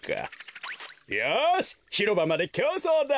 よしひろばまできょうそうだ！